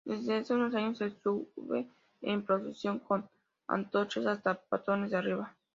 Desde hace unos años se sube en procesión con antorchas hasta Patones de Arriba.